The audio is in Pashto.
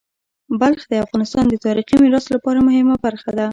بلخ د افغانستان د تاریخی میراث لپاره مهمه برخه ده.